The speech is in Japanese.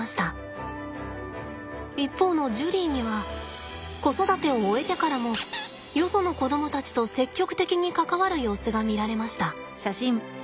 一方のジュリーには子育てを終えてからもよその子供たちと積極的に関わる様子が見られました。